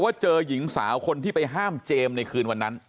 ว่าเจอหญิงสาวคนที่ไปห้ามเจมส์ในคืนวันนั้น